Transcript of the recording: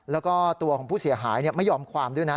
แล้วก็ตัวของผู้เสียหายไม่ยอมความด้วยนะ